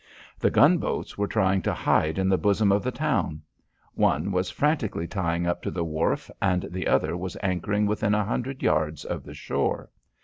The gunboats were trying to hide in the bosom of the town. One was frantically tying up to the wharf and the other was anchoring within a hundred yards of the shore.